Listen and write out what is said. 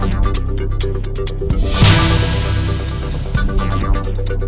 จริง